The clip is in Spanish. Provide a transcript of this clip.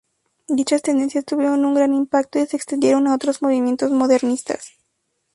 Dichas tendencias tuvieron una gran impacto y se extendieron a otros movimientos modernistas.